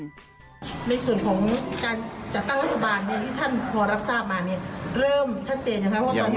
ในส่วนของการจัดตั้งรัฐบาลที่ท่านพอรับทราบมา